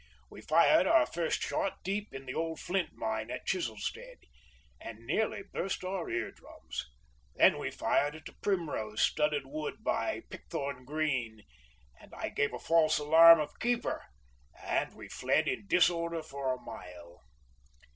We fired our first shot deep in the old flint mine at Chiselstead, and nearly burst our ear drums; then we fired in a primrose studded wood by Pickthorn Green, and I gave a false alarm of "keeper," and we fled in disorder for a mile.